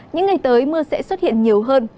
những ngày tới mưa sẽ xuất hiện nhiều hơn